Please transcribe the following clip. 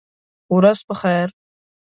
ورځ په خیر !